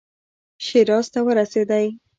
شیراز ته ورسېدی.